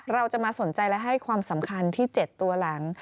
เราจะมาสนใจและให้ความสำคัญที่๗ตัวหลัง